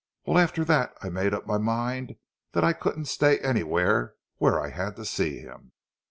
"Well, after that I made up my mind that I couldn't stay anywhere where I had to see him.